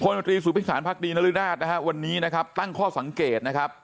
มตรีสุพิสารพักดีนรินาศนะฮะวันนี้นะครับตั้งข้อสังเกตนะครับ